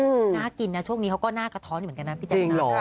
น่ากินนะช่วงนี้เขาก็น่ากระท้อนเหมือนกันนะพี่เจ๊จริงเหรอโอ้น่ะ